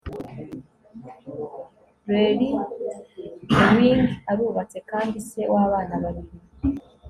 larry ewing arubatse kandi se wabana babiri